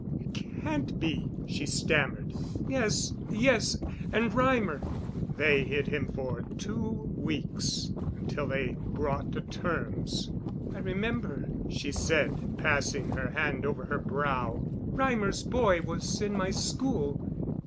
"It can't be," she stammered. "Yes—yes. And Reimer?" "They hid him for two weeks, until they brought to terms." "I remember," she said, passing her hand over her brow. "Reimer's boy was in my school.